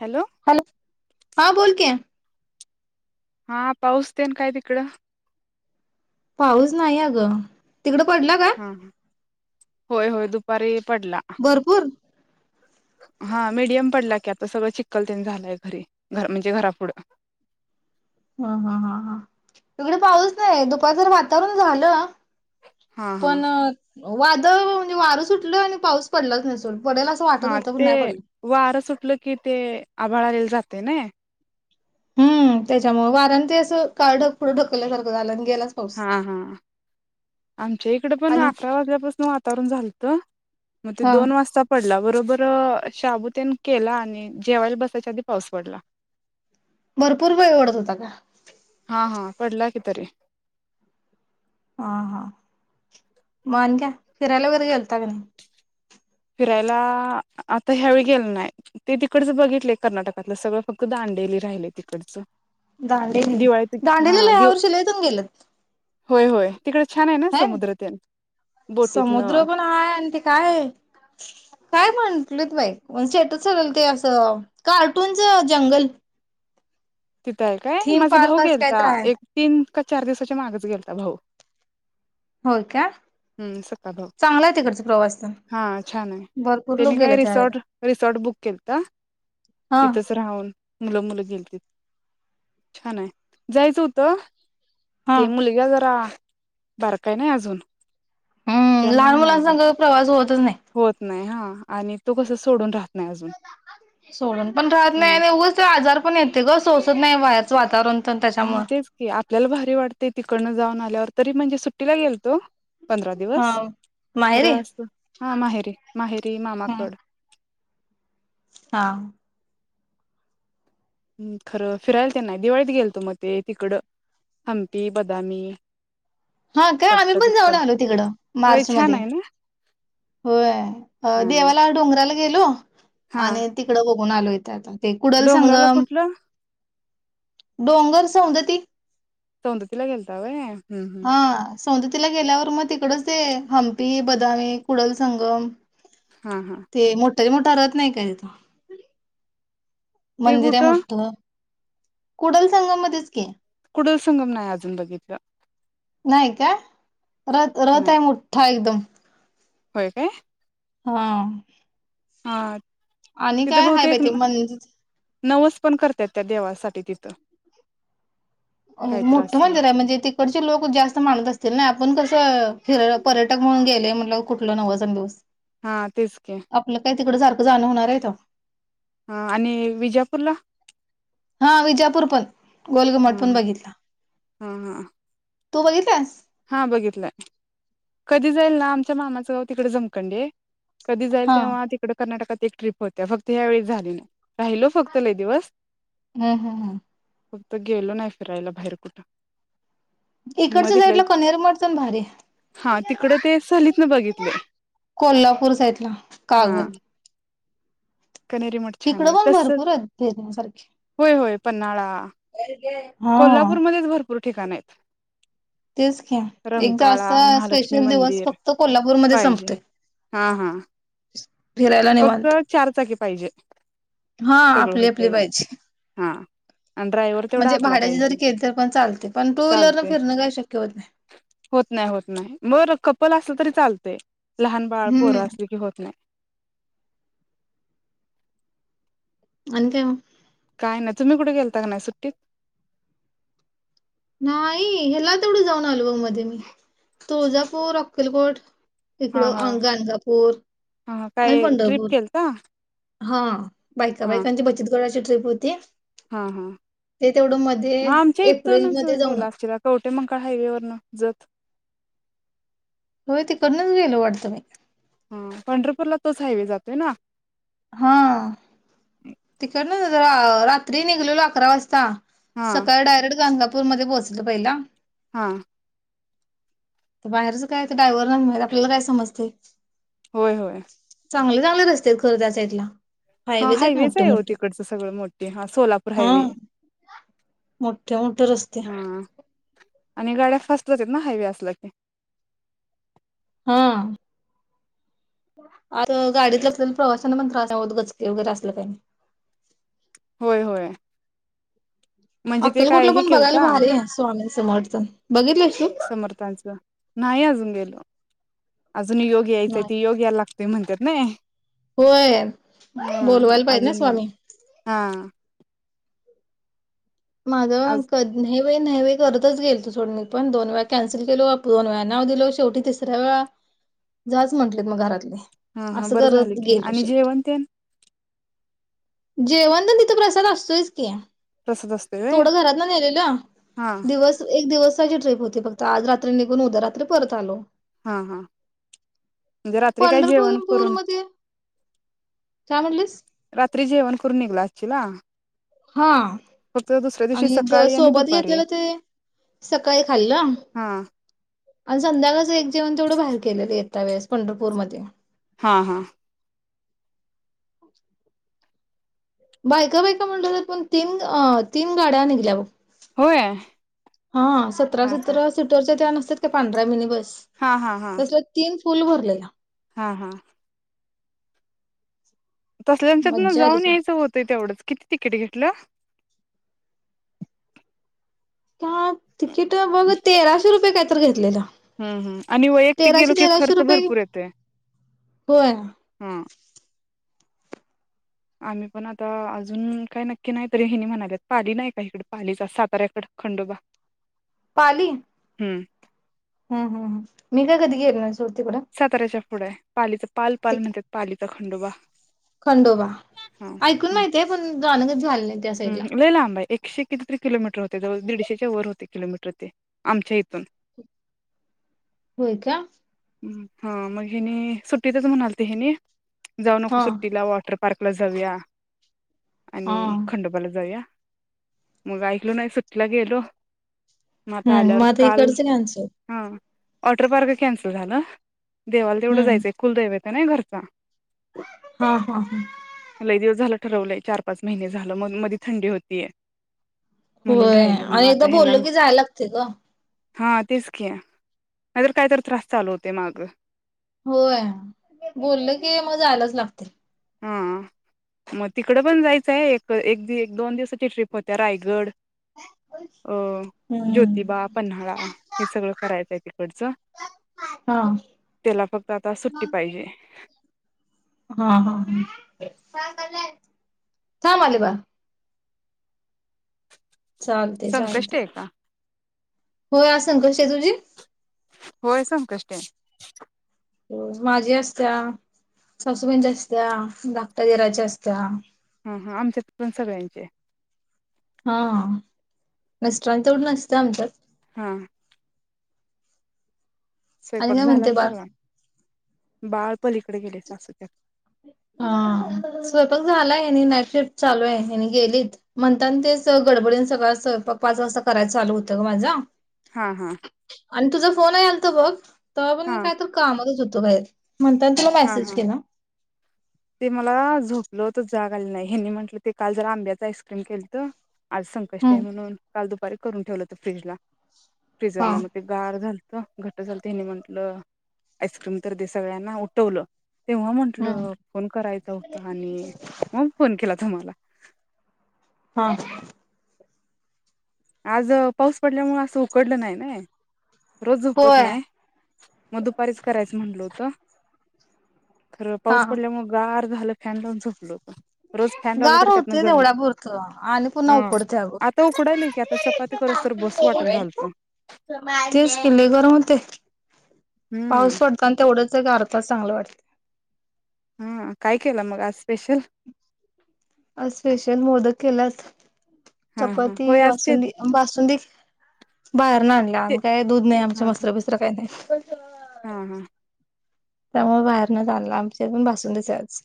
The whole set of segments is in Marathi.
हॅलो हां बोलते हा पाऊस तेन काय तिकडं पाऊस नाही अ गं तिकडं पडला का हा होय होय दुपारी पडला भरपूर हा मीडियम पडला की आता सगळं चिक्कलतेन झालंय घरी म्हणजे घरापुढं ह हा ह ह तकडे पाऊस नाही दुपारार वातावरण झालं हा हा पण वाद म्हणजे वारं सुटलं आणि पाऊस पडलाच नसल हा ते वारं सुटलं कि ते आभाळाले जाते ना हम्म त्याच्यामुळ ते वाऱ्याने ते असं काळ ढग अस पुुढं ढकल्यासारखं झालं गेलाच पाऊस हा हा आमच्या इकडे पण आणि अकरा वाजल्यापासून वातावरण झालत मग ते हा दोन वाजता पडला बरोबर शाबु तेन केला आणि जेवायला बसाच्या आधी पाऊस पडला. भरपूर वेळ ओढत होता का? हा हा पडला कि तरी- ह हा म आणि काय फिरायला वगैरे गेलता का नाही? फिरायला आता ह्यावेळी गेलो नाही ते तिकडच बघितलय कर्नाटकातलं सगळं फक्त दांडेली राहिले तिकडचं दांडेली दिवाळीत हा दांडेलीला दिव यावर्षी लय जण गेल्यात. होय होय तिकडे छान आहे ना होय समुद्र तेन बोटीतन समुद्र पण हाय! आणि ते काय हाय काय म्हटलेत बाई ते असं कार्टूनच जंगल तिथं आहे काय थीम माझा पार्क भाऊ असं काय गेलता तर आहे एक तीन चार दिवसाच्या मागच गेलता भाऊ- होय का हम्म सख्खा भाऊ चांगला आहे तिकडचा प्रवास तर हा छान आहे भरपूर लोक त्यांनी गेले काय त्यावेळेला रिसॉर्ट रिसॉर्ट बुक केलंत हा तिथच राहून. मुलं- मुलं गेलतीत छान आहे जायचं होतं हा ते मुलगा जरा बारका नाही अजून- हम्म लहान त्यामुळे नाही गे मुलांसग प्रवास होत होत नाही हा आणि तो कस सोडून राहतो. सोडून पण राहत हा नाही उगच ते आजार पण येते ग सो. नाही व्हायचं वातावरण. तर हा त्याच्यामुळ तेच की आपल्याला भारी वाटतय तिकडनं जाऊन आल्यावर. तरी म्हणजे सुट्टीला गेलतो. पंधरा हा दिवस माहेरी खरं अस हा माहेरी माहेरी हा मामाकड. हा. हम्म खरं फिरायला तेन नाही दिवाळीत गेलतो मध्ये ते तिकडं हंपी बदामी. हा काय आम्ही पट्ट पण जाऊन दुक्कल आलो तिकड होय मार्च छान मध्ये आहे ना होय हा देवाला डोंगराला. गेलो. हा आणि तिकडं. कोणा आलो इथ आता. ते कुडल डोंगराला संगम कुठलं डोंगर सौंदती. सौंदतीला गेलता होय. हा सौंततीला गेल्यावर मग तिकडच दे हंपी बदामी कुडल संगम. हा हा ते मोटा ज मोटा रा. नाही का तथ. ते मंदिर आहे कुठं मोठठ. कुडल संगा मध्येच क. कुडल संगम नाही अजून बघितलं. नाही का. रत रत नाही आहे मोठ्ठा एकदम. होय काय. हा. हा. आणि तिथं काय हय बहुतेक पाहि ते म्हणज. नवस पण करतात त्या देवासाठी तिथं. काय मोठं त्रास मंदिर आहे म्हणजे तिकडचे लोक जास्त माणत असतील ना. आपण कसं फिर पर्यटक म्हणून गेले म्हटल कुठल नवच दिवस. हा तेसकी. तिकड सारखं जाणं होणार आहे त. हा आणि विजापूरला. हा विजापूर पण गोल घुमट हा मट पण बघितला. हा हा. तू बघितल्यास. हा बघितलंय कधी जाईल ना आमच्या मामाचं तिकडे जमकंडे. कधी जाईल हा. तेव्हा तिकडे कर्नाटकात [unintelligible] ट्रीप होत्या फक्त ह्या वेळीस झाली नाही राहिलो फक्त लय दिवस. हम्म हम्म हम्म फक्त गेलो नाही फिरायला बाहेर कुठं. मग इकडच्या तिथल्या साईडला पनीर, मटन भारी हा तिकड ते सहलीत न बघितले कोल्हापूर साइडला हा कागल. कनेरी मठ छान तिकड आहे पण तस भरपूर आहेत ते देण्यासारखे. होय होय पन्हाळा कोल्हापूरमध्येच भरपूर ठिकाण आहेत. तेच की एकदा रंकाळा असा असा महालक्ष्मी स्पेशल दिवस मंदिर फक्त कोल्हापूरमध्ये पाहिजे संपतोय हा हा फिरायला फक्त निवांत चार चाकी पाहिजे हा सगळं आपली आपली होते मग पाहिजे. हा आणि ड्रायव्हर तेवढा आपला पाहिजे ज केली पण चालते पण टूव्हीलर न चालते फिरण काही शक्य होत नाही. चालतय लहान बाळ पोरं हम्म असली की होत नाही. अणि काय मग काय नाही तुम्ही कुठं गेलता का नाही सुट्टीत? नाही ह्याला तेवढं जाऊन आलोय मध्ये तुळजापूर अक्कलकोट हा हा इकडं गाणगापूर, हा हा आणि काय ट्रिप पंढरपूर. केलता हा बायका हा बायकांची बचत गट कशी ट्रीप होती? हा हा ते तेवढं मध्ये मग आमच्या इथूनच एप्रिलमध्ये जाऊन गेला आलो. असशीला कवटे महाकाळ हायवेवरंन जत होय तिकडनच गेलो वाटतं मी? हा पंढरपूरला तोच हायवे जातोय ना? हा तिकडन जरा रा रात्री निघलेलो अकरा वाजता हा सकाळी डायरेक्ट गांणगापू पूरमधे पोहचलो पहिला हां बाहेरच काय तर ड्रायव्हर आन आपल्याला काय समजतय होय होय चांगले चांगले रस्तेत खर त्या साइटला हा हायवेच आहे हो तिकडचं सगळं मोठे हा सोलापूर हां, हायवे मोठे मोठे रस्ते. हा आणि गाड्या फास्ट जातात ना हायवे असला की हां आता गाडीतल्या प्रवाशांना पण त्रास होत नाय गचके वगैरे असलं काय होय होय. म्हणजे ते काय अक्कलकोटला हे पण बघायला केलता भारी हाय स्वामी समर्थ. बघितलेस तू? समर्थांचं नाही अजून गेलो. अजून योग यायचंय नाही ते योग यायला लागतेय, म्हणतात ना ह होय ह बोलवायला पाहिजे ना अजून नाही, स्वामी. हा माझ अजून कधन्हे वय नाय करतच गेलतोसोड मी पण दोन वेळा कॅन्सल केलो, दोन वेळा नाव दिल, शेवटी तिसऱ वेळा जाच म्हटले मग घरातले. हा हा असं बरं झालं करत की गेलो आणि शेवटी जेवण तेन जेवण तर तिथं प्रसाद असतोयच की तसंच असतंय व्हय थोडं घरातल नेलेलं, हा दिवस एक दिवस एक ची ट्रीप होती फक्त आज रात्री निघून उद्या रात्री परत आलो. हा हा म्हणजे, रात्री काय जेवण करून! का म्हटलीस? रात्री जेवण करून निघाला अच्छीला! हा. आणि सकाळी आणि सोबत दुपारी घेतलेलं ते, सकाळी खाल्लं, हा आणि संध्याकाच एक जेवण तेवढं बाहेर केलेलं, यता वेळेस पंढरपूरमध्ये. हा हा. बायका बायका म्हंटलं, पण तीन अ तीन गाड्या निघल्या बघ. होय हा सतरा हा हा सतरा सिटरच्या त्या न त त्या पांढऱ्या मिनी बस. हा हा हा. फूल भरलेला. हा हा. तसल्याच्यात ना मज्जा आली जाऊन खूप. यायचं होतंय, तेवढंच किती तिकीट घेतलं. का तिकीट बघ तेराशे रुपये का घेतलेलं. हम्म हम् आणि वैयक्तिक गेलो, तेराशे की तेराशे खर्च रुपये भरपूर येतोय. होय हम् आम्ही पण आता अजून काय नक्की नाही, तरी हिनी म्हणालेत. पाली नाही का इकडे पालीच साताऱ्याकड खंडोबा. पाली! हम्म. हम् हमम मी काय कधी गेलोनाय. साताऱ्याच्या. पुढे पालीचा पाल ते पाल म्हणतात, पालीचा खंडोबा. खंडोबा हा ऐकून हम्म माहितीय पण जाणकच झाले त्या साईडला हम्म लय लांब आहे एकशे कितीतरी किलोमीटर होते जवळ दीडशेच्या वर होते किलोमीटर ते आमच्या इथून होय का हा मग ह न सुट्टीतच म्हणाल त ह नि जाऊ नको हा सुट्टीला वॉटर पार्कला जाऊया हा आणि खंडोपाला जाऊया मग ऐकलो नाही सुटलं गेलो मग आता हम् आल्यावर मता इ काल कडच नाही आणचं हा वॉटर पार्क कॅन्सल झालं देवाला तेवढं हम्म जायचं कुलदैव त्या नाही घरचा हा हा हा लय दिवस झालं ठरवलंय चार पाच महिने झालं मग मध्ये थंडी होतीय म्हणून होय राहिल मग आणि एकदा बोलल की जायलागतयग. हां तेच की नायतर कायतर त्रास चालू होत तेमाग. होय बोलल की मग जायलाच लागत हां म तिकड पण जायचंय एक एक दि दोन दिवसाची ट्रीप होत्या रायगड अ ज्योतिबा, हम्म पन्हाळा हे सगळं करायचाय तिकडचं हां त्याला फक्त आता सुट्टी पाहिजे. हां हां हां‌ थाम आले बाळ. चालते चालतय. संकष्टी आहे का होय संकष्टीय तुझी? होय संकष्टी्य. माझी असत्या, सासूबाईंची असत्या, धाकट्या दिराची असत्या- हं हं आमच्यात पण सगळ्यांच्यीय. हां मिस्टरांची तेवढं नसतं आमच्यात. हां. आणि स्वयपाक काय झाला म्हणते बाळ सगळा? बाळपलीकडे गेलय सासूच्या हां स्वयंपाक झालाय हेनी नाईट शिफ्ट चालूय हेनी गेलीत म्हणताना ते च गडबडीन सगळा स्वयंपाक पाच वाजता कराय चालू होतय ग माझा. हा हा आन तुझ फोन हे आल त बग तवा‌पन हा मी काय तर कामातच होत तो बाहेर म्हंताना तुला हा मेसेज हा केला. ते मला झोपलो होतो जाग आली नाइ हेनी म्हटलं ते काल जरा आंब्याच आईस्क्रीम केलत आज संकष्टीय हम्म म्हणून काल दुपारी करून ठेवलत फ्रिजला. हा फ्रिझरला मग ते गारं झाल त घट्ट झालत हेनी म्हंटलं आईस्क्रीम तर दे सगळ्यांना उटवलं. तेंव्हा म्हंटल हम्म. करायच होत आनी मग फोन केला तुम्हाल [inaudible] हां. आज अ पाऊस पडल्यामुळे असं उकडलं नाई नाय. रोज झोपत होय नाय. म दुपारीच करायच म्हंटल होतं. खरं हा पाऊस हा. पडल्यामुळे गार झालं म्हणून फॅन लाऊन झोपलो गार होते तेवढ्या पुरतं आणि पुन्हा ह उकडते अग आता उकडायलय की आता चपाती करूस तर बसू वाटण झालत तीच की लय गरम होतंय हम्म पाऊस पडत आणि तेवढच अर्धा तास चांगलं वाटत हा काय केलं मग आज स्पेशल अस स्पेशल मोदक केल्यात हा हा चपाती होय आज ते बासुंदी बासुंदी बाहेर न आणल्या ते आणि काय दूध नाही आमचे हा हा म्हसर बीसर काही नाही [inaudible] हा हा त्यामुळे बाहेर न च अनल आमच्या पण बासुंदी च आहे आज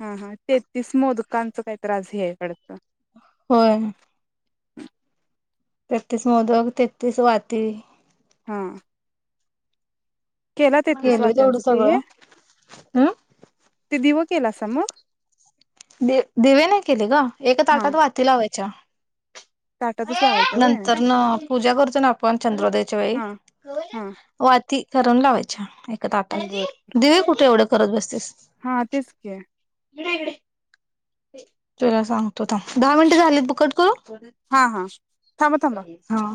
हा हा तेहतीस मोदकांच काही तर आज ही आहे वाटत होय तेतीस मोदक तेतीस वाती ह केला तेतीस केलोय तेवढं वाट्यांचं ते हे सगळं हम् ते दिव केलासा मग दिवे नाही केले ग एका हा ताटात वाती लावा च्या ताटातच लावायच्या व्हय नंतर न पूजा करतो ना आपण चंद्रोदयाच्या हा हा वेळी ती करून लावायच्या बर दिवे कुठे एवढं करत बसतीस हा तेचक हडकडे चला सांग त दहा मिनटं झालीत ब कट करू हा हा थांबा थांबा हा